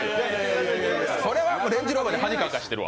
それはレンジローバーに恥かかしてるわ。